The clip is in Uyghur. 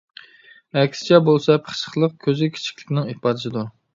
ئەكسىچە بولسا پىخسىقلىق، كۆزى كىچىكلىكنىڭ ئىپادىسىدۇر.